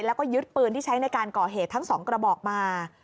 แล้วก็ยึดปืนที่ใช้ในการก่อเหตุทั้ง๒กระบอกมา